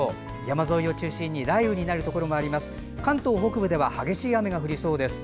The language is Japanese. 山沿いを中心に雷雨になるところがあります。